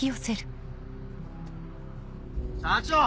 社長！